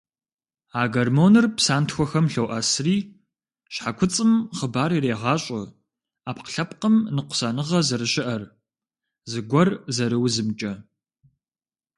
А гормоныр псантхуэхэм лъоӏэсри, щхьэкуцӏым хъыбар ирегъащӏэ ӏэпкълъэпкъым ныкъусаныгъэ зэрыщыӏэр, зыгуэр зэрыузымкӏэ.